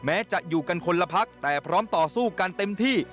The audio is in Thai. แม้จะอยู่กันคนละพักแต่พร้อมต่อสู้กันเต็มที่